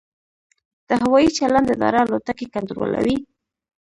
د هوايي چلند اداره الوتکې کنټرولوي؟